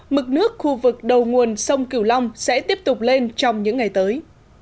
mực nước khu vực đầu nguồn sông cửu long sẽ tiếp tục lên trong những ngày tới